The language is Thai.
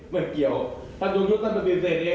ไม่ใช่พี่แน่นอน